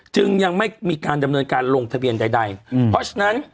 จึงยังไม่มีการดำเนินการลงทะเบียนใดเพราะฉะนั้น